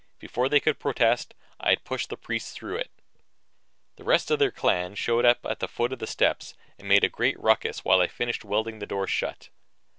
Before they could protest, I had pushed the priests out through it. The rest of their clan showed up at the foot of the stairs and made a great ruckus while I finished welding the door shut.